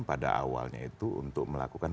pada awalnya itu untuk melakukan